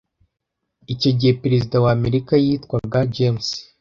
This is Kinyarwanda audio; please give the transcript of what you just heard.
Icyo gihe perezida wa Amerika yitwaga James